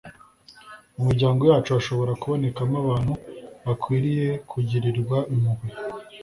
Mu miryango yacu hashobora kubonekamo abantu bakwiriye kugirirwa impuhwe